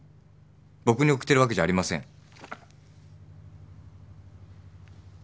僕に送ってるわけじゃありません。